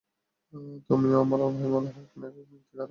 তাই আমার মনে হয়, কোনো একক ব্যক্তি কারও অনুপ্রেরণা হতে পারেন না।